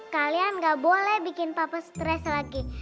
kalian ga boleh bikin papa stres lagi